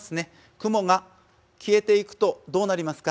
雲が消えていくとどうなりますか？